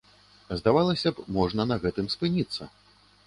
Здавалася б, можна на гэтым спыніцца.